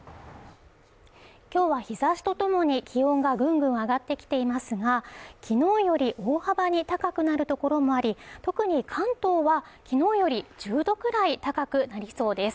今日は日差しとともに気温がぐんぐん上がってきていますが、昨日より大幅に高くなるところもあり、特に関東はきのうより１０度くらい高くなりそうです。